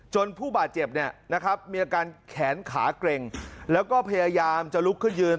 ผู้บาดเจ็บเนี่ยนะครับมีอาการแขนขาเกร็งแล้วก็พยายามจะลุกขึ้นยืน